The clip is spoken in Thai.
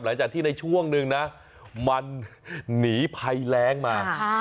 หลายจากที่ในช่วงนึงได้อันมันหนีพัยแร้งมา